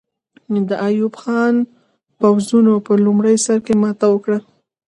د ایوب خان پوځونو په لومړي سر کې ماته وکړه.